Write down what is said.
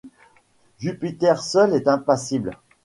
Jupiter seul est impassible.